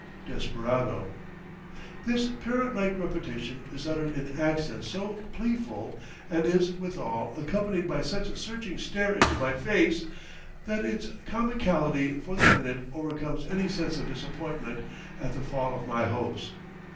(desperado). This parrot like repetition is uttered in accents so pleaful, and is, withal, accompanied by such a searching stare into my face, that its comicality for the minute overcomes any sense of disappointment at the fall of my hopes.